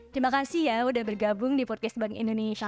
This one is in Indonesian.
terima kasih ya udah bergabung di podcast bank indonesia